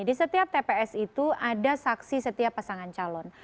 di setiap tps itu ada saksi setiap pasangan calon